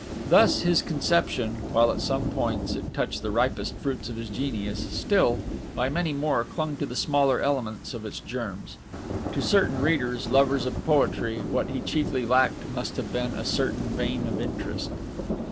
Thus his conception, while at some points it touched the ripest fruits of his genius, still, by many more, clung to the smaller elements of its germs. To certain readers, lovers of poetry, what he chiefly lacked must have been a certain vein of interest.